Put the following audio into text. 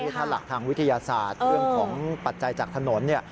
อายุทะหลักทางวิทยาศาสตร์เรื่องของปัจจัยจากถนน